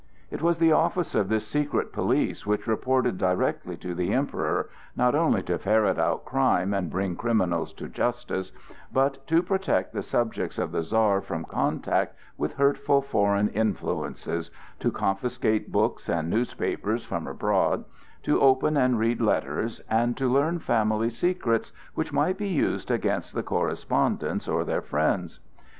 It was the office of this secret police, which reported directly to the Emperor, not only to ferret out crime and bring criminals to justice, but to protect the subjects of the Czar from contact with hurtful foreign influences, to confiscate books and newspapers from abroad, to open and read letters, and to learn family secrets which might be used against the correspondents or their friends.